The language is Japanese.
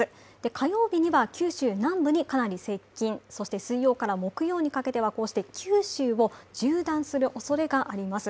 火曜日には九州南部にかなり接近、そして水曜から木曜にかけてはこうして九州を縦断するおそれがあります。